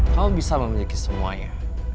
kamu bisa memiliki semuanya